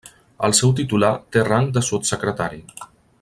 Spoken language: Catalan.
El seu titular té rang de sotssecretari.